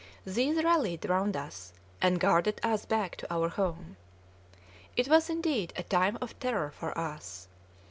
These rallied round us, and guarded us back to our home. It was, indeed, a time of terror for us.